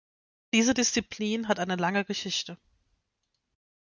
Diese Disziplin hat eine lange Geschichte.